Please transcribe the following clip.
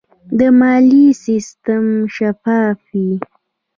د مالیې سیستم شفاف وي.